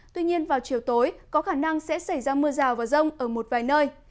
tuy nhiên vào chiều tối có khả năng sẽ xảy ra mưa rào và rông ở một vài nơi